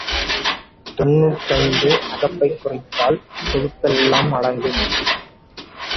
தொன்னூற்றைந்து அகப்பை குறைந்தால் கொழுப்பெல்லாம் அடங்கும்.